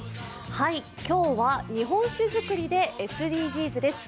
今日は日本酒造りでＳＤＧｓです。